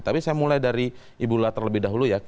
tapi saya mulai dari ibu la terlebih dahulu ya